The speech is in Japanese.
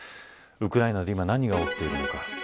ウクライナで今何が起きているのか。